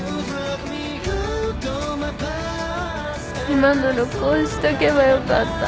今の録音しとけばよかった。